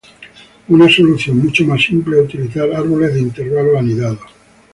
Una solución mucho más simple es utilizar árboles de intervalos anidados.